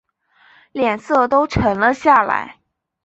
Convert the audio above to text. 脸色都沉了下来